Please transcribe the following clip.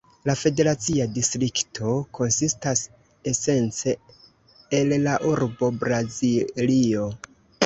La federacia distrikto konsistas esence el la urbo Braziljo.